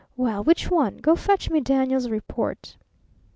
Well, which one? Go fetch me Daniel's report.'